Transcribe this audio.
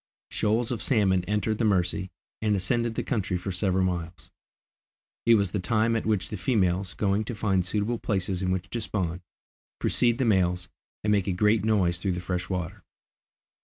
Shoals of salmon entered the Mercy, and ascended the country for several miles. It was the time at which the females, going to find suitable places in which to spawn, precede the males and make a great noise through the fresh water.